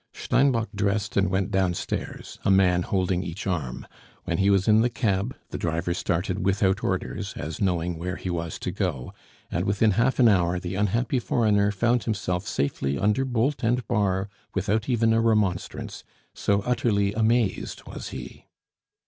Steinbock dressed and went downstairs, a man holding each arm; when he was in the cab, the driver started without orders, as knowing where he was to go, and within half an hour the unhappy foreigner found himself safely under bolt and bar without even a remonstrance, so utterly amazed was he.